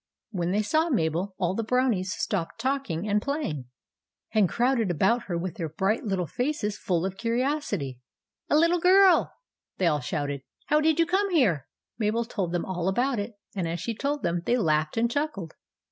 When they saw Mabel, all the Brownies stopped talking and playing, and crowded about her with their bright little faces full of curiosity. " A little girl 1 " they all shouted. " How did you come here ?" Mabel told them all about it; and as she told them, they laughed and chuckled.